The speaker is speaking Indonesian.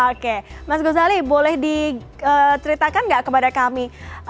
oke mas ghazali boleh diteritakan nggak kepada kami